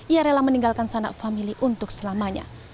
ia rela meninggalkan sanak famili untuk selamanya